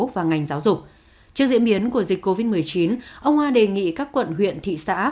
và ngành giáo dục trước diễn biến của dịch covid một mươi chín ông a đề nghị các quận huyện thị xã